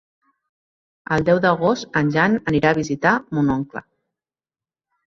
El deu d'agost en Jan irà a visitar mon oncle.